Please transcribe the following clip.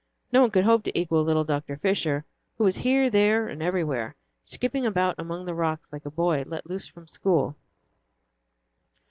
No one could hope to equal little Dr. Fisher, who was here, there, and everywhere, skipping about among the rocks like a boy let loose from school.